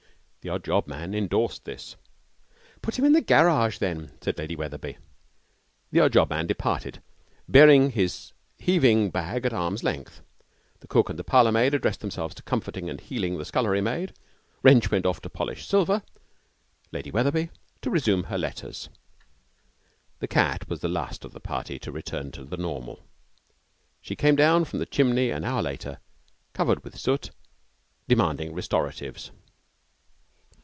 The odd job man endorsed this. 'Put him in the garage, then,' said Lady Wetherby. The odd job man departed, bearing his heaving bag at arm's length. The cook and the parlour maid addressed themselves to comforting and healing the scullery maid. Wrench went off to polish silver, Lady Wetherby to resume her letters. The cat was the last of the party to return to the normal. She came down from the chimney an hour later covered with soot, demanding restoratives.